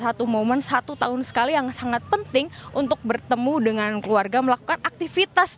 satu momen satu tahun sekali yang sangat penting untuk bertemu dengan keluarga melakukan aktivitas